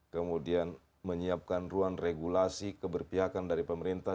kemudian menyiapkan ruang regulasi keberpihakan dari pemerintah